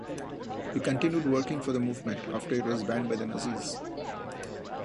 He continued working for the movement after it was banned by the Nazis.